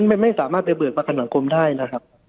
มันไม่สามารถไปเบิกประกันสังคมได้นะครับ